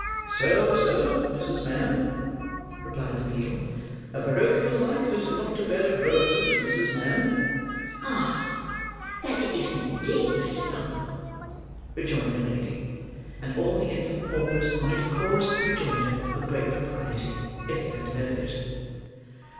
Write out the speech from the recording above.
"So so, Mrs. Mann," replied the beadle. "A porochial life is not a bed of roses, Mrs. Mann." "Ah, that it isn't indeed, Mr. Bumble," rejoined the lady. And all the infant paupers might have chorussed the rejoinder with great propriety, if they had heard it.